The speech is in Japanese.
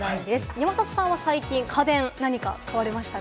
山里さんは最近、何か家電買われましたか？